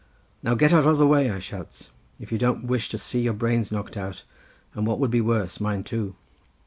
"'Now get out of the way,' I shouts, 'if you don't wish to see your brains knocked out, and what would be worse, mine too.